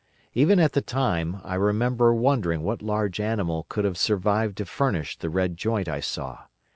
Even at the time, I remember wondering what large animal could have survived to furnish the red joint I saw.